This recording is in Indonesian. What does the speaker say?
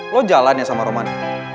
lo jalannya sama roman